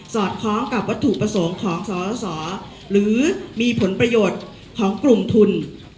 อดคล้องกับวัตถุประสงค์ของสสหรือมีผลประโยชน์ของกลุ่มทุน